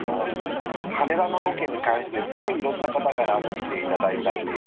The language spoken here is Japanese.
羽田のロケに関してすごい色んな方から見ていただいたっていう。